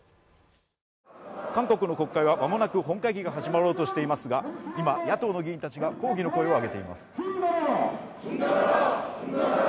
韓国の国会はまもなく本会議が始まろうとしていますが、今、野党の議員たちが抗議の声を上げています。